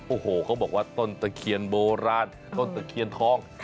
โอ้โหเขาบอกว่าต้นตะเคียนโบราณต้นตะเคียนทอง